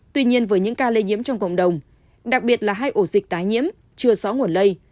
tuy nhiên với những ca lây nhiễm trong cộng đồng đặc biệt là hai ổ dịch tái nhiễm chưa rõ nguồn lây